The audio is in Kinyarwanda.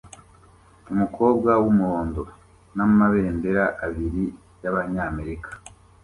Umukobwa wumuhondo namabendera abiri yabanyamerika